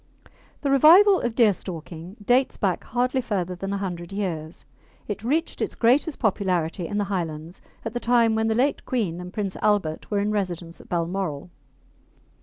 The revival of deerstalking dates back hardly further than a hundred years. It reached its greatest popularity in the Highlands at the time when the late Queen and Prince Albert were in residence at Balmoral.